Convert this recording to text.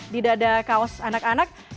tidak ada kaos anak anak